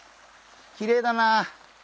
きれいだな。